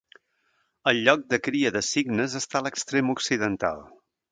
El lloc de cria de cignes està a l'extrem occidental.